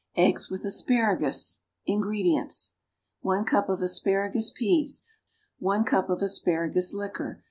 =Eggs with Asparagus.= INGREDIENTS. 1 cup of asparagus peas. 1 cup of asparagus liquor.